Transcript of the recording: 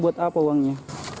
buat apa uangnya